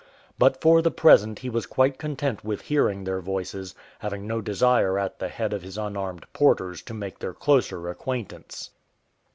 But for the present he was quite content with hearing their voices, having no desire at the head of his unarmed porters to make their closer acquaintance.